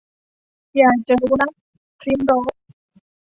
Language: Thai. อยากจะรู้นัก - พริมโรส